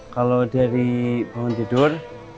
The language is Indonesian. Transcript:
kalau dari bangun tidur